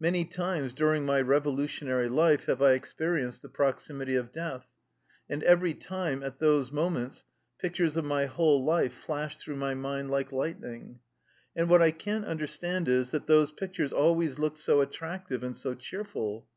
Many times during my revolutionary life have I ex perienced the proximity of death, and every time, at those moments, pictures of my whole life flashed through my mind like lightning. And what I can't understand is, that those pic tures always looked so attractive and so cheer ful